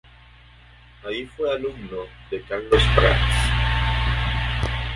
Ahí fue alumno de Carlos Prats.